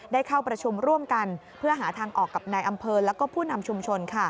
ได้เข้าประชุมร่วมกันเพื่อหาทางออกกับนายอำเภอและผู้นำชุมชน